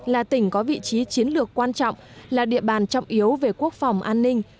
là tỉnh có vị trí chiến lược quan trọng là địa bàn trọng yếu về quốc phòng an ninh